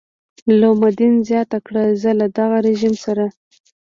لومدین زیاته کړه زه له دغه رژیم سره.